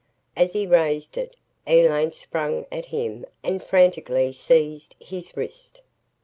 As he raised it, Elaine sprang at him and frantically seized his wrist.